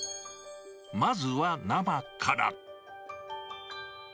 まずは生から。